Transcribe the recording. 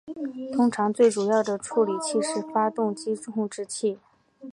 通常最主要的处理器是发动机控制器。